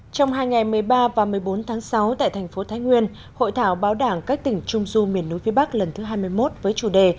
trong hai ngày một mươi ba và một mươi bốn tháng sáu tại thành phố thái nguyên hội thảo báo đảng các tỉnh trung du miền núi phía bắc lần thứ hai mươi một với chủ đề